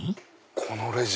このレジ！